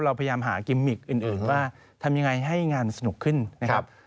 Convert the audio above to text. เราพยายามหากิมมิกอื่นว่าทำยังไงให้งานสนุกขึ้นนะครับ